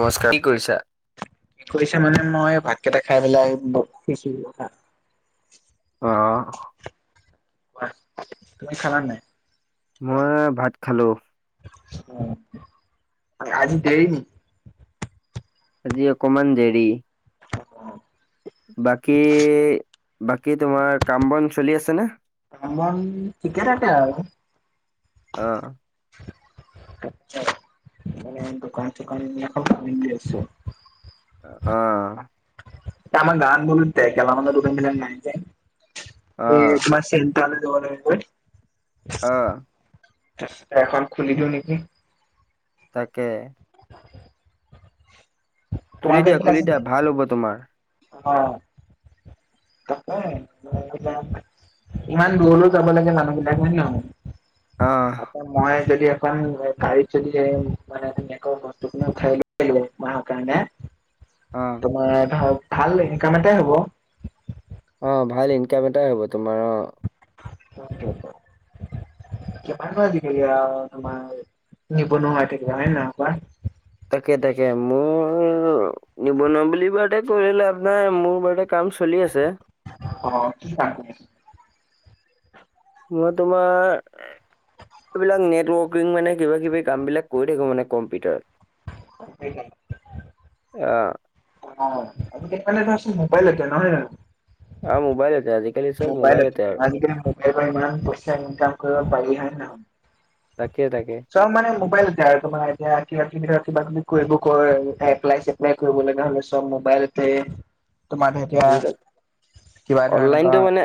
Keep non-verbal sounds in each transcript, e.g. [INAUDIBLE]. নমস্কাৰ কি কৰিছা কি কৰিছা মানে মই ভাতকেইটা খাই পেলাই বহিছো ৰবা অ তুমি খালা নে নাই মই ভাত খালোঁ অ আৰু আজি দেৰি নি আজি অকমান দেৰি অ অ বাকী বাকী তোমাৰ কাম বন চলি আছে ন কাম বন ঠিকে থাকে আৰু অ ম দোকান চ কানি ন খা পান দি আছ অ আমাৰ গাৱঁত বোলো গেলামালৰ দোকান নাই যে অ', এ তোমাৰ চেন কাল যাব লাগ অ এখন খুলি দিও নেকি তাকে উম খুলি দিয়া খুলি দিয়া নাই? ভাল হ'ব তোমাৰ অ ত ইমান দূৰলৈ যাব লাগে মানুহ বিলাক হয়ে নহয় অ এ মই যদি এখন গাড়ীত যদি মানে মেকপ বস্তুখিনি উ খাই অহা কাৰণে অ তোমাৰ ধৰক ভাল ইনকাম এটাই হ'ব অ ভাল ইন কাম এটাই হ'ব তোমাৰ অ উম কিমান তোমাৰ নিবনুৱাই থাকিবা হয় নহয় কোৱা তাকে তাকে মোৰ নিবনুৱা বুলি বে কৰিলেপ নাই মোৰ বাৰে কাম চলি আছে অ কি কাম মই তোমাৰ এইবিলাক নেটৱৰ্কিং মানে কিবা কিবি কাম বিলাক কৰি থাকো মানে কম্পিউটাৰত সেইটো অ অ সেইকাৰণে ধৰাচোন মোবাইল এতিয়া নহয় জানো অ মোবাইলতে আজি মোবাইলত আজিকালি মোবাইলৰ পৰা ইমান পইচা ইনকাম কৰিব পাৰি হয় নে নহয়? তাকে তাকে। চব মানে মোবাইল এতিয়া আৰু তোমাৰ এতিয়া কিবা কিবি কিবা কিবি কৰিব কয় এপ্লাই চেপ্লাই কৰিব লগা হ'লে চব মোবাইলতে তোমাৰ আজিকালি এতিয়া কিবা ধৰ অনলাইনটো এনেকুৱা মানে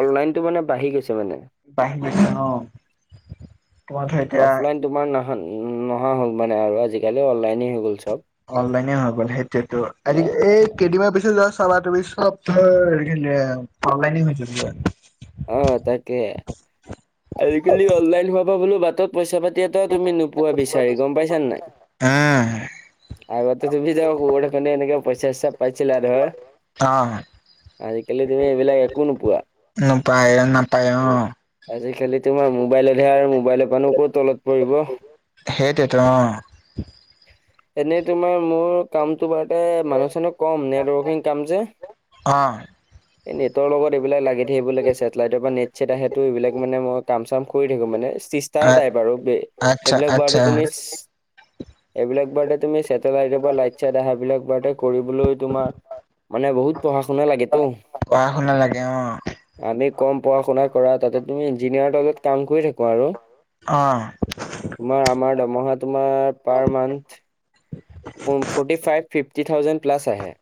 অনলাইনটো মানে বাঢ়ি গৈছে মানে। বাঢ়ি গৈছে অঁ, তোমাৰ ধৰা এতিয়া অফলাইন তোমাৰ নাহা উম নহা হ'ল মানে আৰু আজিকালি অনলাইনে হৈ গ'ল চব। অনলাইনে হৈ গ'ল সেইটোৱেতো মানে আজি এই কেইদিনমানৰ পিছত যোৱা চাবা তুমি চব ধৰ অনলাইন [UNINTELLIGIBLE] অঁ তাকে, আজিকালি অনলাইন হোৱা পৰা বোলো বাটত পইচা পাতি এটা তুমি নোপোৱা বিচাৰি গম পাইছা নে নাই? উম আগততে তুমি ধৰ [UNINTELLIGIBLE] কেনে এনেকে পইচা পাইছিলা আৰু। অঁ। আজিকালি তুমি এইবিলাক একো নোপোৱা। নোপায় নাপায় অঁ। আজিকালি তোমাৰ মোবাইলতহে আৰু মোবাইলৰ পৰা নো কৰ তলত পৰিব। সেইটোৱেতো অঁ। এনেই তোমাৰ মোৰ কামটো বাৰতে মানুহ চানুহ কম নেটৱৰ্কিং কাম যে। অঁ। এই নেটৰ লগত এইবিলাক লাগি থাকিব লাগে। ছেটেলাইটৰ পৰা নেট ছেট আহেটো এইবিলাক মানে মই কাম চাম কৰি থাকো মানে চিষ্টাৰ অ' টাইপ আৰু বে আচ্ছা এইবিলাক বাৰটে আচ্ছা তুমি এইবিলাক বাৰটে তুমি ছেটেলাইটৰ পৰা লাইট চাইট আহা বিলাক বাৰটে কৰিবলৈ তোমাৰ মানে বহুত পঢ়া শুনা লাগে তো। পঢ়া লাগে অঁ। আমি কম পঢ়া শুনা কৰা, তাতে তুমি ইঞ্জিনিয়াৰ তলত কাম কৰি থাকো আৰু। অ' তোমাৰ আমাৰ দৰমহা তোমাৰ পাৰ মান্থ প forty five fifty thousand plus আহে।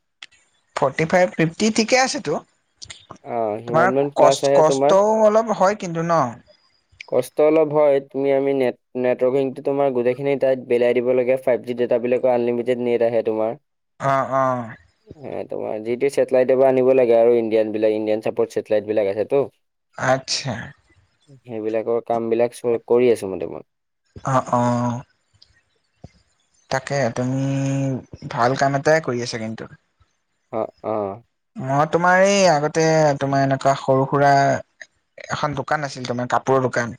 ফৰ্টি ফাইভ ফিফটি ঠিকে আছেতো। অ সিমান তোমাৰ মান প্লাছ কষ্ট আহে তোমাৰ কষ্টও অলপ হয় কিন্তু ন? কষ্ট অলপ হয় তুমি আমি নেট নেটৱৰ্কিংটো তোমাৰ গোটেইখিনি তাত বিলাই দিব লাগে ফাইভ জি ডাতাবিলাক। আনলিমিটেড নেট আহে তোমাৰ। অঁ অঁ। তোমাৰ যিটো চেটেলাইট পৰা আনিব লাগে আৰু ইণ্ডিয়ান বিলাক ইণ্ডিয়ান চাপৰ্ট চছেটেলাইট বিলাক আছে তো। আচ্ছা। সেইবিলাকৰ কাম বিলাক চ কৰি আছো মানে মই। অ' অঁহহ। তাকে তুমি ভাল কাম এটাই কৰি আছা কিন্তু। অ অ। মই তোমাৰ এই আগতে তোমাৰ এনেকুৱা সৰু সুৰা এখন দোকান আছিল তোমাৰ কাপোৰৰ দোকান।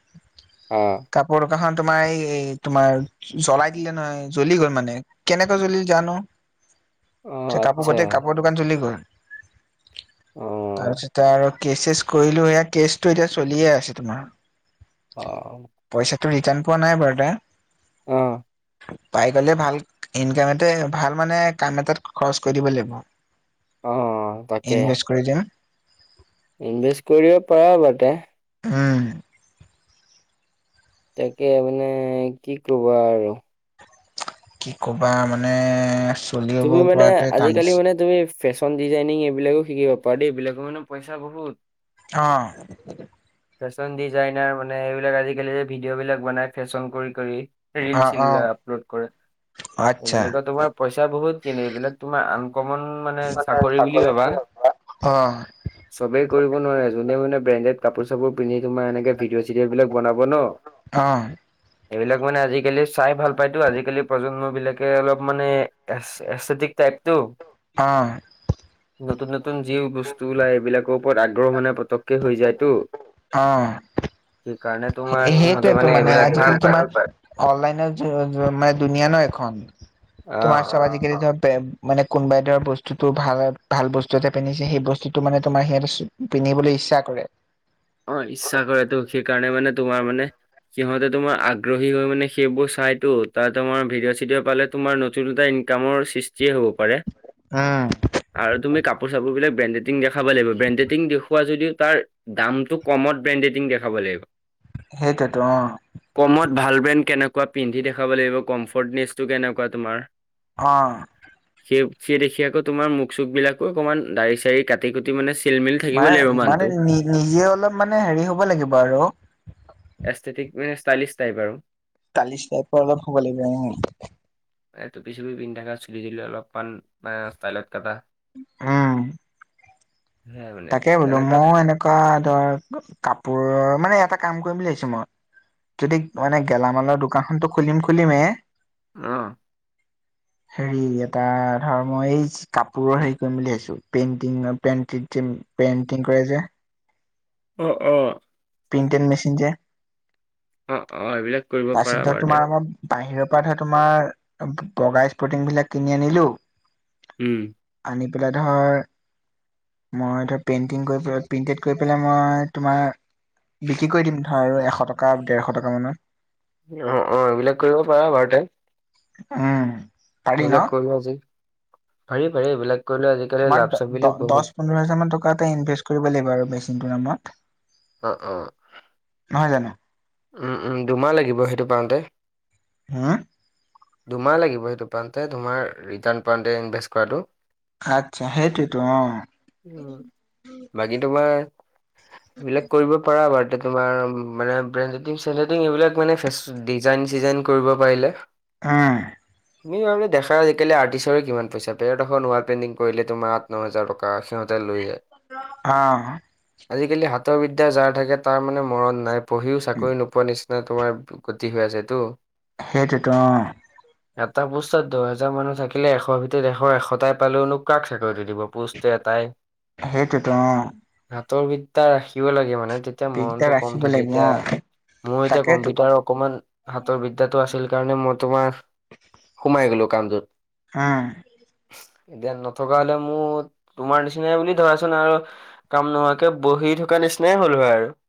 অঁ। কাপোৰ দোকানখন তোমাৰ এই তোমাৰ জ্বলাই দিলে নহয় জ্বলি গ'ল মানে কেনেকৈ জ্বলিল জানো। অ যে কাপোৰ আচ্ছা গোতেই কাপোৰৰ দোকান জ্বলি গ'ল। অ তাৰপিছতে আৰু কেচ চেছ কৰিলো এয়া কেচটো এতিয়া চলিয়ে আছে তোমাৰ। অ পইচাটো ৰিটাৰ্ণ পোৱা নাই বাৰু দা অঁ পাই গ'লে ভাল ইনকাম এতে ভাল মানে কাম এটাত খৰচ কৰি দিব লাগিব। অঁ ইনভেষ্ট কৰি দিম। ইনভেষ্ট কৰিব পৰা বাৰু তে উম। তাকে মানে কি কবা আৰু। কি ক'বা মানে? চলিব তুমি মানে পৰাটোৱে টান আজিকালি হৈছে মানে তুমি ফেশ্বন ডিজাইনিং এইবিলাকো শিকিব পাৰা দেই এইবিলাকৰ মানে পইচা বহুত। অঁ ফেশ্বন ডিজাইনাৰ মানে এইবিলাক আজিকালি যে ভিডিঅ' বিলাক বনাই ফেশ্বন কৰি কৰি। ৰিল অ', চিল অ', আপলোড কৰে, আচ্ছা কবলেগলে তোমাৰ পই চা বহুত কিনে এইবিলাক তোমাৰ আনকমন মানে চাকৰি বুলি ভাবা। অঁ চবেই কৰিব নোৱাৰে যোনে মানে ব্ৰেণ্ডেড কাপোৰ চাপোৰ পিন্ধি তোমাৰ এনেকে ভিডিঅ' চিডিঅ' বিলাক বনাব ন। অঁ এইবিলাক মানে আজিকালি চাই ভাল পায়তো, আজিকালি প্ৰজন্ম বিলাকে অলপ মানে এচিটিক টাইপটো। অঁ নতুন নতুন যি বস্তু ওলায় এইবিলাকৰ ওপৰত আগ্ৰহ মানে পতকে হৈ যায়তো। অঁ সেই কাৰণেটো সেইটোৱেতো মানে আজিকালি তোমাৰ অনলাইনৰ মানে দুুনীয়া ন এইখন। অঁ তোমাৰ চব আজিকালি ধৰ মানে কোনোবাই ধৰ বস্তুতো ভাল ভাল বস্তু এটা পিন্ধিছে সেই বস্তুতটো মানে তোমাৰ সিহঁতে পিন্ধিবলৈ ইচ্ছা কৰে। অঁ ইচ্ছা কৰে তো সেইকাৰণে মানে তোমাৰ মানে সিহঁতে তোমাৰ আগ্ৰহী হৈ মানে সেইবোৰ চাইতো তোমাৰ ভিডিঅ চিডিঅ পালে তোমাৰ নতুন এটা কামৰ সৃষ্টিয়ে হ'ব পাৰে। উম আৰু তুমি কাপোৰ চাপোৰ বিলাক ব্ৰেণ্ডেডিং দেখাব লাগিব ব্ৰেণ্ডেডিং দেখুওৱা যদি তাৰ দাম টো কমত ব্ৰেণ্ডেডিং দেখাব লাগিব। সেইটোৱে তো অঁ। কমত ভাল ব্ৰেণ্ড কেনেকুৱা পিন্ধি দেখুৱাব লাগিব, কমফৰ্টনেচটো কেনেকুৱা তোমাৰ। অঁ সেই সিয়ে দেখি আকৌ তোমাৰ মুখ চুখ বিলাকো অকনমান দাাৰি চাৰি কা টি গতি মানে ছিল মিল মানে মানে নি নিজে অলপ মানে হেৰি হ'ব লাগিব আৰু। এষ্টিক মানে ষ্টাইলিছ টাইপ আৰু। তালিচ টাইপৰ অলপ হ'ব লাগিব নি। এ টোপি চুপি পিন্ধি থকা, চুলি তুলি অলপমান ষ্টাইলত কাটা। উম সেয়া বোলে তাকে বোলো তেনেকুৱা [INAUDIBLE] [UNINTELLIGIBLE] ধৰ কাপোৰৰ মানে এটা কাম কৰিম বুলি ভাবিছো মই। যদি মানে গেলামালৰ দোকানখনটো খুলিম খুলিমে। [INAUDIBLE] অঁ! [UNINTELLIGIBLE] [UNINTELLIGIBLE] হেৰি এটা ধৰ মই এই কাপোৰৰ হেৰি কৰিম বুলি ভাবিছো পেইণ্টিঙৰ পেইটি [UNINTELLIGIBLE] [INAUDIBLE] পেইণ্টিং কৰে যে। অঁ-অঁ [UNINTELLIGIBLE] প্ৰিণ্টেড মেছিন যে? [INAUDIBLE] অঁ-অঁ! এইবিলাক কৰিব তাৰপিছত পাৰা ধৰ বাৰু তোমাৰ দে। [UNINTELLIGIBLE] আমাৰ বাহিৰৰ পৰা ধৰা তোমাৰ বগা স্পৰ্টিং বিলাক কিনি আনিলো। [UNINTELLIGIBLE] উম। [INAUDIBLE] আনি পেলাই ধৰ [INAUDIBLE] মই ধৰ পেইণ্টিং কৰি প্ৰেইণ্টেড কৰি পেলাই মই তোমাৰ [INAUDIBLE] বিক্ৰী কৰি দিম ধৰা আৰু এশ টকা, ডেৰশ টকা মানত। [INAUDIBLE] অঁ-অঁ! এইবিলাক কৰিব পাৰা ঘৰতে। [INAUDIBLE] উম। [UNINTELLIGIBLE] ন এইবিলাক কৰিলো আজি পাৰি-পাৰি এইবিলাক কৰিলো আজি [INAUDIBLE] তোমাৰ দ [INAUDIBLE] দহ, পোন্ধৰ হাজাৰ মান টকা ইনভেষ্ট কৰিব লাগিব আৰু মেচিনটোৰ নামত। [INAUDIBLE] অঁ-অঁ [UNINTELLIGIBLE] নহয় জানো? [INAUDIBLE] উম-উম। দুমাহ লাগিব সেইটো পাওঁতে। [INAUDIBLE] হম দুমাহ লাগিব সেইটো পাওঁতে। তোমাৰ ৰিটাৰ্ণ পাণ্টতে ইনভেষ্ট কৰাটোঋ [INAUDIBLE] আচ্ছা! সেইটোৱেইতো অঁ! [UNINTELLIGIBLE] উম! বাকী তোমাৰ এইবিলাক কৰিব [UNINTELLIGIBLE] পাৰা বাৰ্ত তোমাৰ মানে [INAUDIBLE] ব্ৰেণ্ডেডিং-চেডেডিং এইবিলাক মানে [UNINTELLIGIBLE] ডিজাইন-চিজাইন কৰিব পাৰিলে। উম! [INAUDIBLE] তুমি দেখা আজিকালি আৰ্টিষ্টৰে কিমান পইচা। [INAUDIBLE] এডখ ৱাল পেইণ্টিং কৰিলে তোমাৰ আঠ, ন হাজাৰ টকা সিহঁত [INAUDIBLE] [UNINTELLIGIBLE] লৈ যায়। অঁ! [UNINTELLIGIBLE] আজিকালি হাতৰ বিদ্যা যাৰ থাকে তাৰ মানে মৰণ নাই। পঢ়িও চাকৰি নোপোৱা নিচিনা [INAUDIBLE] [INAUDIBLE] তোমাৰ গতি হৈ আছেটো। সেইটোৱেইতো অঁ! [UNINTELLIGIBLE] এটা পোষ্টত দহেজাৰ মানুহ থাকিলে এশৰ ভিতৰত এশ। এশটাই পালেওনো কাক চাকৰিটো দিব পোষ্ট [INAUDIBLE] [UNINTELLIGIBLE] এটাই। সেইটোৱেইতো অঁ! [INAUDIBLE] হাতৰ বিদ্যা ৰাখিব লাগে মানে তেতিয়া দিগদাৰ মৰণটো কম ৰাখিব থাকে। [INAUDIBLE] লাগিব অ এতিয়া মোৰ এতিয়া তাকেতো কম্পিউটাৰৰ [INAUDIBLE] অকমান হাতৰ বিদ্যাটো আছিল কাৰণে মই তোমাৰ সোমাই গলো কামটোত। [INAUDIBLE] উম! [INAUDIBLE] জ্ঞান নথকা হলে মোৰ তোমাৰ নিচিনাই বুলি ধৰা চোন আৰু। [INAUDIBLE] কাম নোহোৱাকে বহি থকা নিচিনাই হ'ল হয় আৰু। [INAUDIBLE]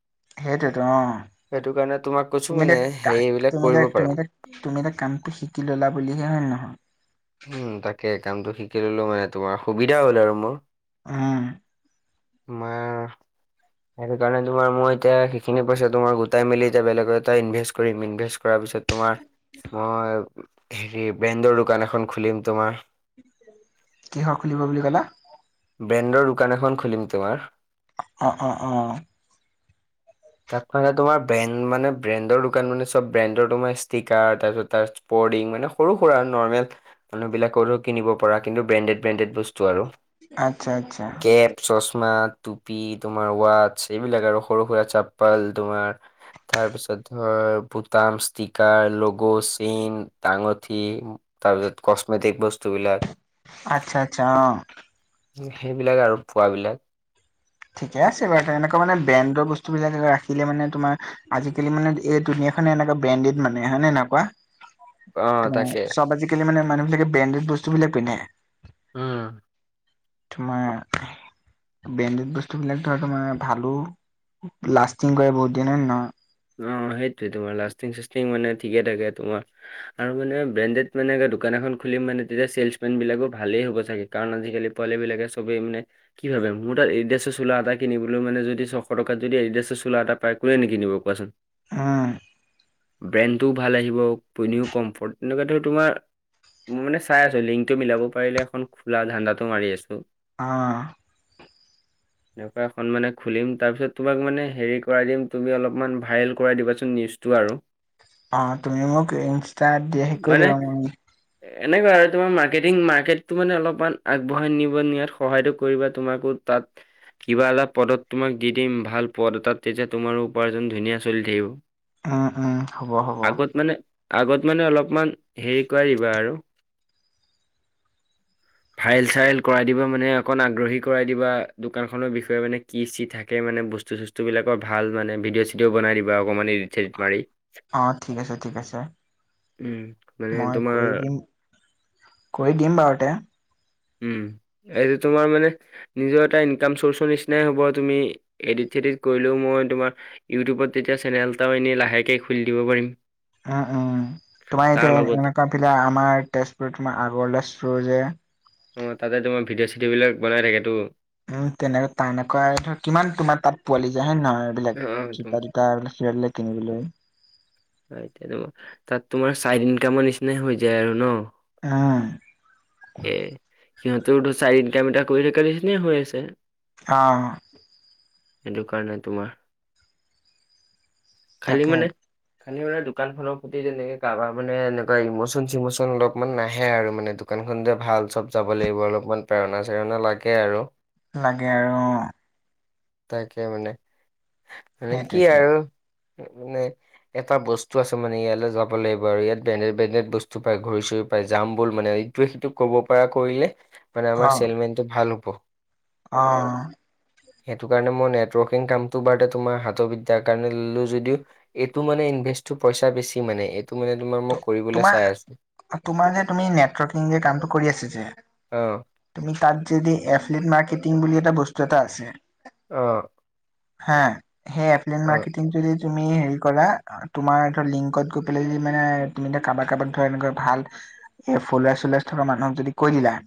সেইটোৱেইতো অঁ! [INAUDIBLE] সেইটো কাৰণে তোমাৰ [INAUDIBLE] তুমি এ কাক তুমি তুমি এ তুমি এয়া কামটো শিকি ললা বুলিহে হয় নে নহয়। উম তাকে কামটো শিকি ললো মানে তোমাৰ সুবিধা হ'ল আৰু মোৰ। উম তোমাৰ সেইটো কাৰণে তোমাৰ মই এতিয়া সেইিন পইা তোমাৰ গোটাই মেলি এতি বেলেগ এটা ইনভেষ্ট কৰিম ইনভেষ্ট কৰাৰ পিছত তোমাৰ মই হেৰি ব্ৰেণ্ডৰ দোকান এখন খুলিম তোমাৰ কিহৰ খুলিব বুলি কলা। ব্ৰেণ্ডৰ দোকান এখন খুলিম তোমাৰ। অঁ', অঁ', অঁ',। তাৰ মে তোমাৰ ব্ৰেণ্ড মানে ব্ৰেণ্ডৰ দোকান মানে চব ব্ৰেণ্ডৰ তোমাৰ ষ্টিকাৰ তাৰপিছত তাৰ বৰ্ডিং মানে সৰু সৰুৰা আৰু নৰ্মেল। মানুহ বিলাকৰো কিনিব প পৰা কিন্তু ব্ৰেণ্ডেড ব্ৰেণ্ডেড বস্তু আৰু। আচ্ছা আচ্ছা। টেপ চচমা টুপি তোমাৰ ৱচছ এইবিলাক আৰু সৰু সুৰা চাপ্পাল তোমাৰ তাৰ পিছত ধৰ বুটাম ষ্টিকাৰ লগো চেইন ডাঙঠি। তাৰপিছত কসমেটিক বস্তুবিলাক। আচ্ছা আচ্ছা অ'। সেইবিলাক আৰু পুৱা বিলাক। ঠিকে আছে বাৰু তেনেকুৱা মানে ব্ৰেণ্ডৰ বস্তুবিলাক ৰাখিলে মানে তোমাৰ আজিকালি মানে এই দুুনীয়া খনে এনেকুৱা ব্ৰেণ্ডেড মানে হয় নে নে এনেকুৱা। অ ত তাকে চব আজিকালি মানে মানুহ বিলাকে ব্ৰেণ্ডেড বস্তু বিলাক পিন্ধে। উম। উম! ব্ৰেণ্ডেড বস্তুবিলাক ধৰা তোমাৰ মানে ভালো লাষ্টিং কৰে বহুত দিন হয় নে নহয়। অ সেইটোৱে তোমাৰ লাষ্টিং চিষ্টিং মানে ঠিকে থাকে তোমাৰ আৰু মানে ব্ৰেণ্ডেড মানে দোকান এখন খুলিম মানে তেতিয়া চেললচ মেন বিলাকো ভালেই হ'ব চাগে। কাৰণ আজিকালি পোৱালি বিলাকে চবেই মানে কি ভাবে মোৰ তাত এড্ৰেছ চোলা এটা কিনিবলৈ মানে যদি ছশ টকা যদি এড্ৰেছ চোলা এটা পায় কোনে ন কিনিব। [UNINTELLIGIBLE] হুম! ব্ৰেণ্ডটোও ভাল আহিব পইনীও কমফৰ্ট এনেকুৱা ধৰ তোমাৰ মই মানে চাই আছো লিংকটো মিলাব পাৰিলে এখন খোলা ধান্দাটো মাৰি আছো। অ'। এনেকুৱা এখন মানে খুলিম তাৰপিছত তোমাক মানে হেৰি কৰাই দিম তুমি অলপমান ভাইৰেল কৰাই দিবাচোন নিউজটো আৰু। অ তুমি মোক ইনষ্টা দিয়া হে কৰি মানে দিবা এনেকুৱা আৰু তোমাৰ মাৰ্কেটিং মাৰ্কেটতটো মানে অলপমান আগবঢ়াই নিব নিয়াত সহায়তো কৰিবা তোমাকো তাত কিবা এটা পদত তোমাক দি দিম ভাল পদ এ তাত তেতিয়া তুমাৰো উপাৰ্জন ধুনীয়া চলি থাকিব উম, উম, হ'ব হ'ব আগত মানে আগত মানে অলপমান হেৰি কৰা দিবা আৰু। [INAUDIBLE] ভাইল চাইল কৰাই দিবা মানে অকণ আগ্ৰহী কৰাই দিবা দোকানখনৰ বিষয়ে মানে কি থে মানে বস্তু বিলাকৰ ভাল মানে ভিডিঅ চি ও বনাই দিবা অকমানৰি চৰিত মাৰি অ', ঠিক আছে ঠিক আছে উম। মানে মই কৰি তোমাৰ দিম কৰি দিম বাৰু তে। উম, এইটো তোমাৰ মানে- নিজৰ এটা ইনকাম চৰ্চৰ নিচিনাই হ'ব তুমি এডিত চডিত কৰিলেও মই তোমাৰ- ইউটিউবত তেতিয়া চেনেলটা এনে লাহেকে খুলি দিব পাৰিম। উম উম তোমাৰ তাৰ এতিয়া লগতে এনেকুৱা পিলে আমাৰ তেজপুৰত তোমাৰ আগৰলে চুৰ যে। অহ তাতে তোমাৰ ভিডিঅ' চিডিঅ' বিলাক বনাই থাকেতো। উম তেনেকে তেনেকুৱা আৰু ধৰ কিমান তোমাৰ তাত পোৱালি যায় হয়ে নহয় এইবিলাক। অ, তুম- [UNINTELLIGIBLE] হয় এতিয়া তাত তোমাৰ চাইড ইনকাম‌ৰ নিচিনাই হৈ যায় আৰু ন? উম তাকে। সিহঁতৰ চাইড ইনকাম‌ কৰি থকাৰ নিচিনা হৈ আছে। অহ। সেইটো কাৰণে তোমাৰ, খালি তাকে মানে - খালি মানে দোকান খনৰ প্ৰতি তেনেকে কাৰোবাৰ মানে এনেকুৱা ইমচন চিমচন অলপমান নাহে আৰু মানে। দোকানখন যে ভাল চব যাব লাগিব অলপমান প্ৰেৰণা চেৰণা লাগে আৰু। লাগে আৰু অ। তাকে মানে, কি সেইটোৱেতো আৰু মানে - এটা বস্তু আছে মানে ইয়ালৈ যাব লাগিব আৰু ইয়াত ব্ৰেণ্ডেড ব্ৰেণ্ডেড বস্তু পায় ঘড়ী চড়ী পাই যাম বল মানে - ইটোৱে-সিটোক ক'ব পৰা কৰিলে মানে আমাৰ চেলমেনটো ভাল হ'ব। অহ। সেইটো কাৰণে মই নেটৱৰ্কিং কামটো বাৰু তোমাৰ হাতৰবিদ্যাৰ কাৰণে ললোঁ যদিও- এইটো মানে ইনভেষ্টটো পইচা বেছি মানে এইটো মানে তোমাৰ মোক কৰিবলৈ তোমাৰ চাই আছোঁ। তোমাৰ যে তুমি নেটৱৰ্কিং যে কামটো কৰি আছা যে - অ তুমি তাত যদি এফলেট মাৰ্কেটিং বুলি এটা বস্তু এটা আছে। অহ। হা, সেই এপলাইন মাৰ্কেটিংটো যদি - তুমি হেৰি কৰা তোমাৰ ধৰি লিংকত গৈ পেলাই - মানে তুমি কাৰোবাক কাৰোবাক ধৰা এনেকৈ ভাল - এই ফলৱাৰ্চ চলৱাৰ্চ থকা মানুহক যদি কৈ দিলা।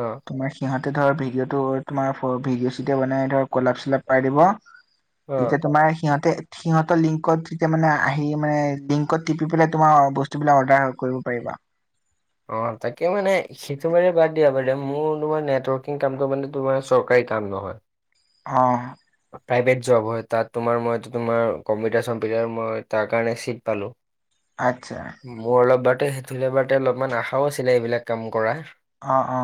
অহ। তোমাৰ সিহঁতে ধৰ ভিডিঅটো তোমাৰ ভিডিঅ চিডিঅ বনাই ধৰ কলাপ চলাপ কৰাই দিব। অ', তেতিয়া তোমাৰ সিহঁতে সিহঁতৰ লিংকত তেতিয়া মানে আহি মানে লিংকত - টিপি পেলে তোমাৰ বস্তুবিলাক অৰ্ডাৰ কৰিব পাৰিবা। অ তাকে মানে - সেইটো বাৰু বাদ দিয়া বাদে মোৰ তোমাৰ নেটৱৰ্কিং কামটো মানে তোমাৰ চৰকাৰী কাম নহয়। অহ। প্ৰাইভেট জব হয় তাত তোমাৰ মই তোমাৰ কম্পিউটাৰ চম্পিউটাৰৰ কাৰণে মই তাৰ কাৰণে চিট পালো। আচ্ছা। মোৰ অলপ বাৰু সেইটো বাৰু অলপমান আশাও আছিলে এইবিলাক কাম কৰা। অ অ।